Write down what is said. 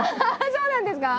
そうなんですか？